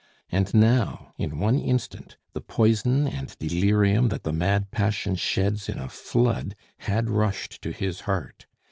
And now, in one instant, the poison and delirium that the mad passion sheds in a flood had rushed to his heart.